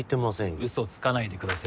うそつかないでくださいよ